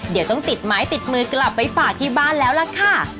เดี๋ยวต้องติดไม้ติดมือกลับไปฝากที่บ้านแล้วล่ะค่ะ